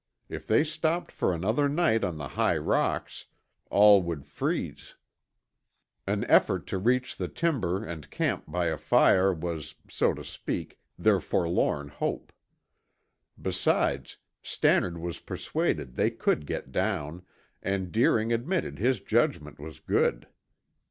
If they stopped for another night on the high rocks, all would freeze; an effort to reach the timber and camp by a fire was, so to speak, their forlorn hope. Besides, Stannard was persuaded they could get down, and Deering admitted his judgment was good.